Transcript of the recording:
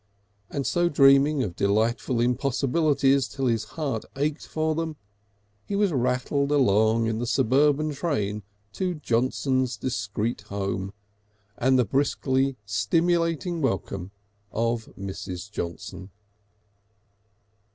And so dreaming of delightful impossibilities until his heart ached for them, he was rattled along in the suburban train to Johnson's discreet home and the briskly stimulating welcome of Mrs. Johnson.